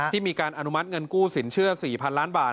มีการอนุมัติเงินกู้สินเชื่อ๔๐๐ล้านบาท